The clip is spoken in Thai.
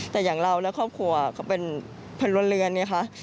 แต่อย่างเราและครอบครัวเขาเป็นพลลวนเรือน